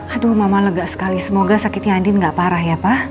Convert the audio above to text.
aduh mama lega sekali semoga sakitnya andin gak parah ya pak